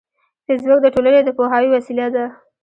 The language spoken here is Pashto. فېسبوک د ټولنې د پوهاوي وسیله ده